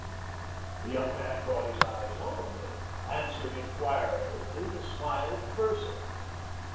The young man brought his eyes home. They answered engagingly the smile of the purser.